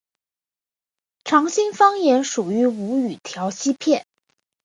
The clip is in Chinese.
长兴方言属于吴语苕溪片。